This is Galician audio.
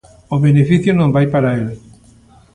O beneficio non vai para el.